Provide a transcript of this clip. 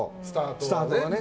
スタートがね。